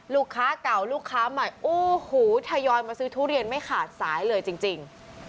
ลูกค้าเก่าลูกค้าใหม่โอ้โหทยอยมาซื้อทุเรียนไม่ขาดสายเลยจริง